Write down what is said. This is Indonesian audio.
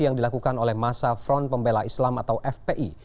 yang dilakukan oleh masa front pembela islam atau fpi